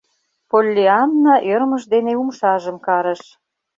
Поллианна ӧрмыж дене умшажым карыш: